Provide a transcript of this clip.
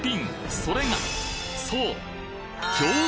それがそう！